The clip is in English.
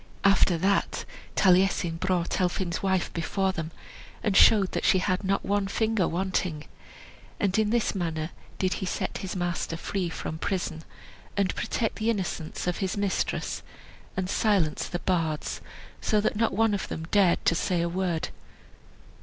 After that Taliesin brought Elphin's wife before them, and showed that she had not one finger wanting. And in this manner did he set his master free from prison, and protect the innocence of his mistress, and silence the bards so that not one of them dared to say a word.